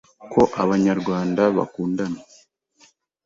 ko A b a n yarwa n d a b a k u n d a